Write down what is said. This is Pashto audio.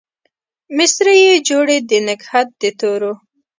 مسرۍ يې جوړې د نګهت د تورو